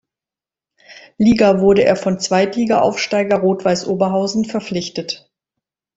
Liga wurde er von Zweitligaaufsteiger Rot-Weiß Oberhausen verpflichtet.